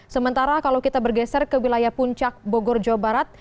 sementara kalau kita bergeser ke wilayah puncak bogor jawa barat